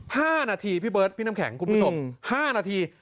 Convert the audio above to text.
ห้านาทีพี่เบิร์ดพี่น้ำแข็งคุณผู้ชมห้านาที